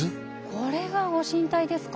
これが御神体ですか？